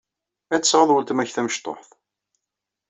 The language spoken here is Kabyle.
Ad tesɛuḍ weltma-k tamecṭuḥt.